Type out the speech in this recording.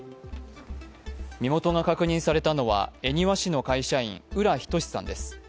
身元が確認されたのは、恵庭市の会社員、浦仁志さんです。